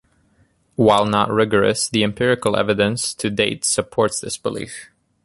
While not rigorous, the empirical evidence to date supports this belief.